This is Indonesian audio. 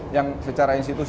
yang secara institusi